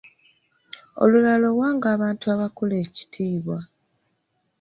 Olulala owanga abantu abakulu ekitiibwa.